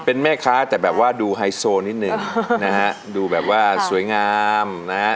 เป็นแม่ค้าแต่แบบว่าดูไฮโซนิดนึงนะฮะดูแบบว่าสวยงามนะฮะ